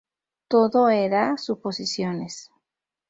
Todo era suposiciones.